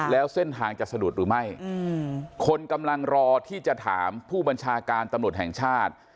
แล้วเส้นทางจะสะดุดหรือไม่คนกำลังรอที่จะถามผู้บัญชาการตำรวจแห่งชาติ